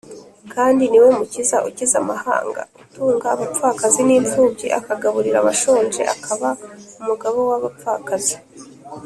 kandi ni we Mukiza ukiza amahanga utunga abapfakazi n’imfubyi akagaburira abashonje akaba umugabo w’abapfakazi.